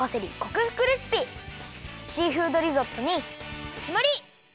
シーフードリゾットにきまり！